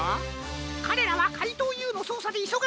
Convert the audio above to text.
かれらはかいとうＵのそうさでいそがしい。